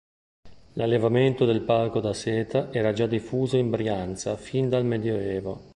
L’allevamento del baco da seta era già diffuso in Brianza fin dal medioevo.